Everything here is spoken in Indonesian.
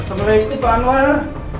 assalamualaikum pak anwar